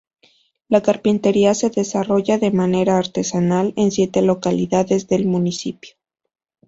La carpintería se desarrolla de manera artesanal en siete localidades del municipio.